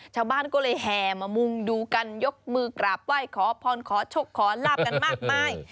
ชาวบ้านก็เลยแห่มามุงดูกันยกมือกราบไหว้ขอพรขอโชคขอลาบกันมากมาย